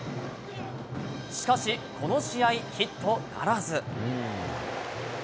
しかしこの試合、ヒットならず。